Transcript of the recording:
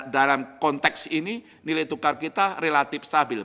dalam konteks ini nilai tukar kita relatif stabil